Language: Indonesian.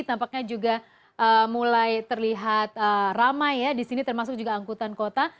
tampaknya juga mulai terlihat ramai ya di sini termasuk juga angkutan kota